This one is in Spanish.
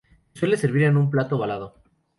Se suele servir en un plato ovalado.